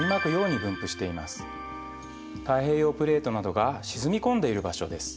太平洋プレートなどが沈み込んでいる場所です。